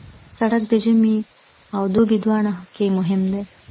سړک د ژمي او دوبي دواړو کې مهم دی.